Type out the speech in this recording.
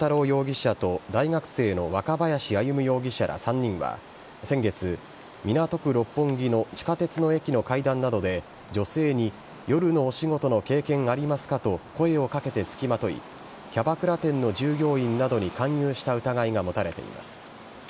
容疑者と大学生の若林歩容疑者ら３人は先月、港区六本木の地下鉄の駅の階段などで女性に夜のお仕事の経験ありますかと、声をかけて付きまとい、キャバクラ店の従業員などに勧誘した疑いが持たれています。